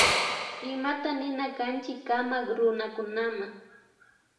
Imata nina kanchi kamak runakunama